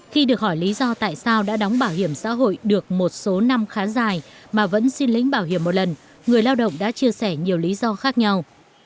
khi được hỏi lý do tại sao đã đóng bảo hiểm xã hội được một số năm khá dài mà vẫn xin lĩnh bảo hiểm một lần người lao động đã chia sẻ nhiều lý do khác nhau